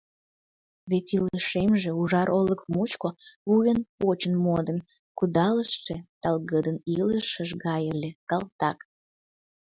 Вет илышемже ужар олык мучко вуйын-почын модын кудалыштше талгыдын илышыж гай ыле, калтак!